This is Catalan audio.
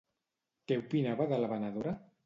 Què opinava de la venedora?